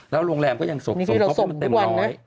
แล้วโรงแรมก็ยังส่งเขามาเต็มร้อย